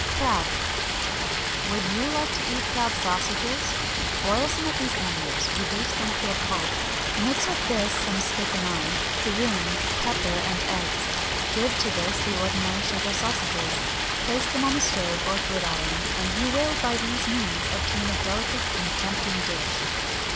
CRAB. Would you like to eat crab sausages? Boil some of these animals; reduce them to a pulp; mix with this some spikenard, garum, pepper, and eggs; give to this the ordinary shape of sausages, place them on the stove or gridiron, and you will, by these means, obtain a delicate and tempting dish.